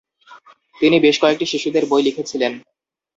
তিনি বেশ কয়েকটি শিশুদের বই লিখেছিলেন।